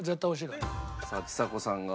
さあちさ子さんが。